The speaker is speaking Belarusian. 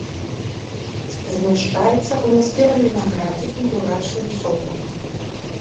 Змяшчаецца ў няспелым вінаградзе і бурачным соку.